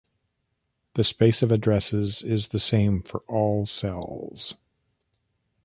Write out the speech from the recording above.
The space of addresses is the same for all cells.